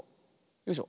よいしょ。